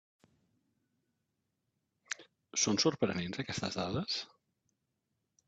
Són sorprenents aquestes dades?